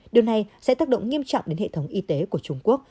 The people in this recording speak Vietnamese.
điều này sẽ tác động nghiêm trọng đến hệ thống y tế của trung quốc